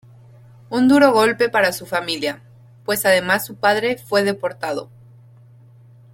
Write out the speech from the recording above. Un duro golpe para su familia, pues además su padre fue deportado.